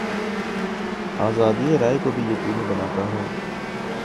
آزادیٔ رائے کو بھی یقینی بناتا ہے۔